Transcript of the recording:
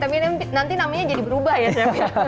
tapi ini nanti namanya jadi berubah ya chef ya